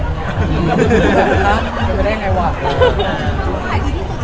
ฮะจะได้ยังไงว่า